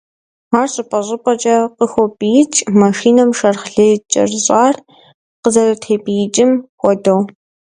Ар щӏыпӏэ-щӏыпӏэкӏэ «къыхопӏиикӏ», машинэм шэрхъ лей кӏэрыщӏар къызэрытепӏиикӏым хуэдэу.